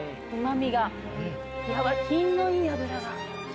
品のいい脂が。